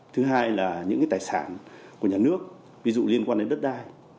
thứ hai là những tài sản của nhà nước ví dụ liên quan đến đất đai